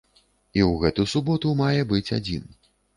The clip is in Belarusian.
І ў гэту суботу мае быць адзін.